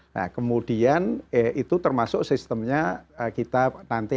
nah kemudian itu termasuk sistemnya kita nanti akan komunikasi dengan mereka